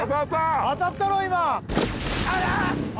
当たったろ今ああ！